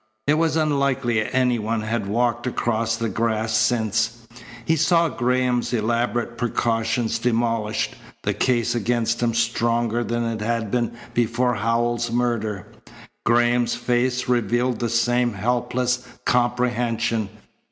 It was unlikely any one had walked across the grass since. He saw Graham's elaborate precautions demolished, the case against him stronger than it had been before Howells's murder. Graham's face revealed the same helpless comprehension.